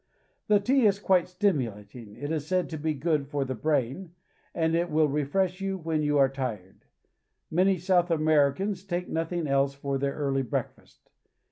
The tea is quite stimulating. It is said to be good for the brain, and it will refresh you when you are tired. Many South Americans take nothing else for their early breakfast.